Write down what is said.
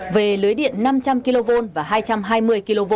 về lưới điện năm trăm linh kv và hai trăm hai mươi kv